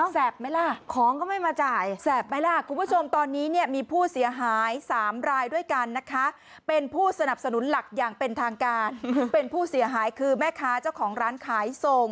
แสบไหมล่ะของก็ไม่มาจ่าย